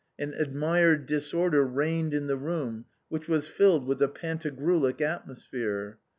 An admired disorder reigned in the room which was filled with a Pantagruelic atmosphere.